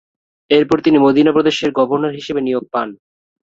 এরপর তিনি মদিনা প্রদেশের গভর্নর হিসেবে নিয়োগ পান।